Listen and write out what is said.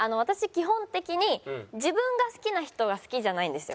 基本的に自分が好きな人が好きじゃないんですよ。